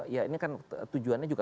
ya ini kan tujuannya juga